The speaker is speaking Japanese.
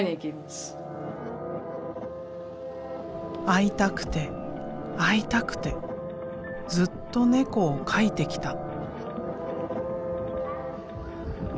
会いたくて会いたくてずっと猫を描いてきた。